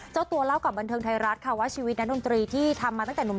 เจ้าตัวเล่ากับบันเทิงไทยรัฐค่ะว่าชีวิตนักดนตรีที่ทำมาตั้งแต่หนุ่ม